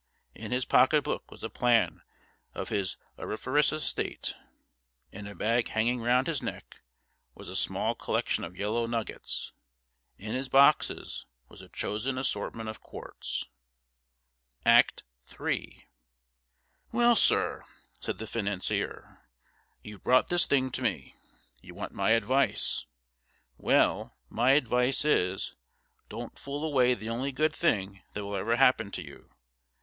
In his pocket book was a plan of his auriferous estate; in a bag hanging round his neck was a small collection of yellow nuggets; in his boxes was a chosen assortment of quartz. Act III 'Well, sir,' said the financier, 'you've brought this thing to me. You want my advice. Well, my advice is, don't fool away the only good thing that will ever happen to you.